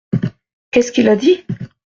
Qu’est-ce qu’il a dit ?